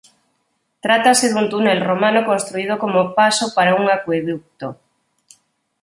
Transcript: Trátase dun túnel romano construído como paso para un acueduto.